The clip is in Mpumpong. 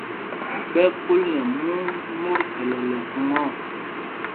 Ɓɛ́ ɛ́ kúl nɛ mûŋ mot gɛlɛlɛ khuŋa ɔ.